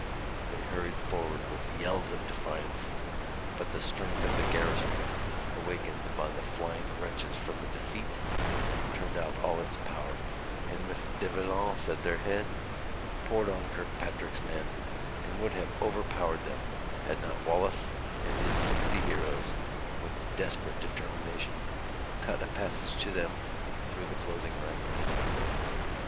They hurried forward, with yells of defiance; but the strength of the garrison, awakened by the flying wretches from the defeat, turned out all its power, and, with De Valence at their head, poured on Kirkpatrick's men, and would have overpowered them had not Wallace and his sixty heroes, with desperate determination, cut a passage to them through the closing ranks.